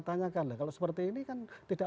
tanyakan lah kalau seperti ini kan tidak